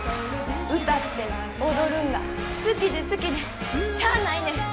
歌って踊るんが好きで好きでしゃあないねん。